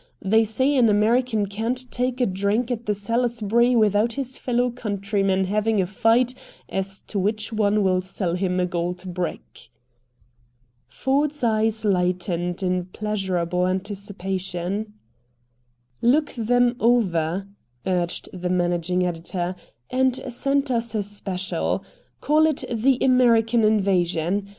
They say an American can't take a drink at the Salisbury without his fellow countrymen having a fight as to which one will sell him a gold brick." Ford's eyes lightened in pleasurable anticipation. "Look them over," urged the managing editor, "and send us a special. Call it 'The American Invasion.